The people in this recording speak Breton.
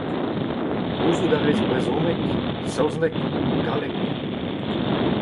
Gouzout a rez brezhoneg, saozneg, galleg.